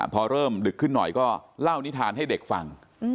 พอเริ่มดึกขึ้นหน่อยก็เล่านิทานให้เด็กฟัง